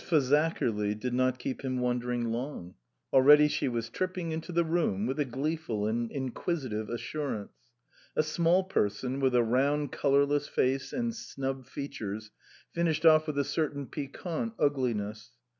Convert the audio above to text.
FAZAKERLY did not keep him won dering long. Already she was tripping into the room with a gleeful and inquisitive as surance. A small person, with a round colourless face and snub features finished off with a certain piquant ugliness.